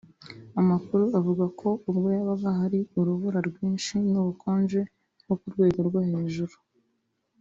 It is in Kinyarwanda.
Amakuru avuga ko ubwo yabaga hari urubura rwinshi n’ubukonje bwo ku rwego rwo hejuru